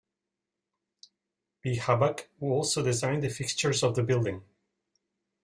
B. Hubback who also designed the fixtures of the building.